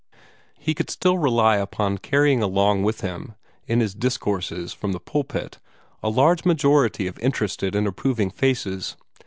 He could still rely upon carrying along with him in his discourses from the pulpit a large majority of interested and approving faces.